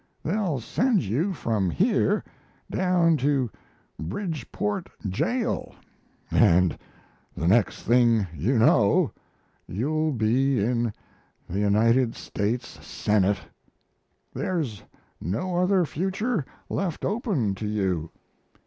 They'll send you from here down to Bridgeport jail, and the next thing you know you'll be in the United States Senate. There's no other future left open to you."